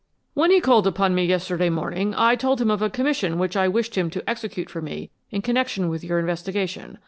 "When he called upon me yesterday morning I told him of a commission which I wished him to execute for me in connection with your investigation.